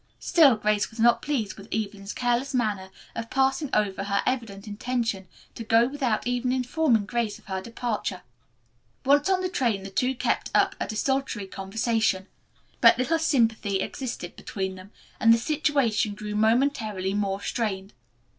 Still Grace was not pleased with Evelyn's careless manner of passing over her evident intention to go without even informing Grace of her departure. Once on the train the two kept up a desultory conversation. But little sympathy existed between them, and the situation grew momentarily more strained.